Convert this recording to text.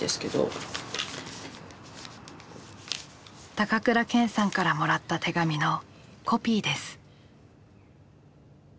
高倉健さんからもらった手紙のコピーです。